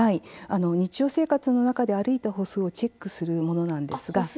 日常生活の中で歩いた歩数をチェックするものなんですが。